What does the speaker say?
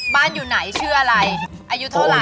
อยู่ไหนชื่ออะไรอายุเท่าไหร